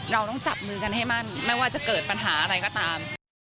เราต้องจับมือกันให้มั่นไม่ว่าจะเกิดปัญหาอะไรก็ตาม